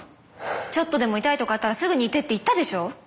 ちょっとでも痛いとかあったらすぐに言ってって言ったでしょ！